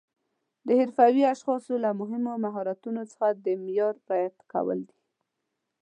د حرفوي اشخاصو له مهمو مهارتونو څخه د معیار رعایت کول دي.